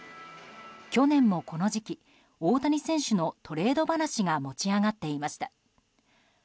去年もこの時期、大谷選手のトレード話が持ち上がっていました。